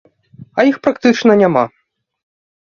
А іх практычна няма.